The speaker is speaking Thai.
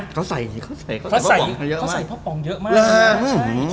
เขาใส่เพราะเค้าใส่พ่อปองมันเยอะมาก